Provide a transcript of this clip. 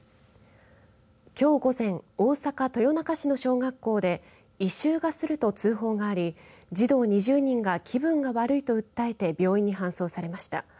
きょう午前大阪、豊中市の小学校で異臭がすると通報があり児童２０人が気分が悪いと訴えて病院に搬送されました。